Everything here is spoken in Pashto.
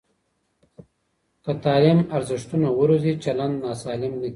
که تعلیم ارزښتونه وروزي، چلند ناسالم نه کېږي.